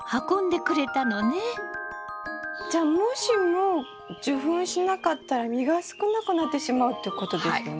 じゃあもしも受粉しなかったら実が少なくなってしまうってことですよね。